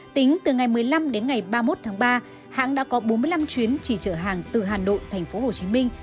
tính từ ngày một mươi năm đến ngày ba mươi một tháng ba hãng đã có bốn mươi năm chuyến chỉ chở hàng từ hà nội thành phố hồ chí minh